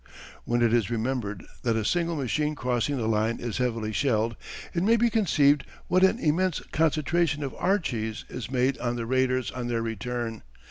When it is remembered that a single machine crossing the line is heavily shelled it may be conceived what an immense concentration of "Archies" is made on the raiders on their return.